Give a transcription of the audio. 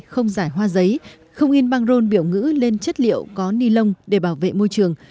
không giải hoa giấy không in băng rôn biểu ngữ lên chất liệu có ni lông để bảo vệ môi trường